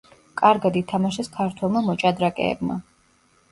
კარგად ითამაშეს ქართველმა მოჭადრაკეებმა.